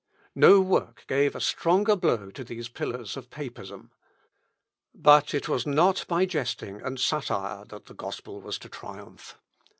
No work gave a stronger blow to these pillars of Papism. But it was not by jesting and satire that the gospel was to triumph.